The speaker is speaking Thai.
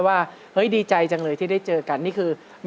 คณะกรรมการเชิญเลยครับพี่อยากให้ก่อนเพื่อนเลย